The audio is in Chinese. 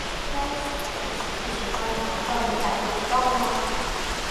该死，我喜不喜欢你难道你感觉不到吗?